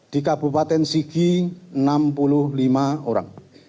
di kabupaten sigi enam puluh lima orang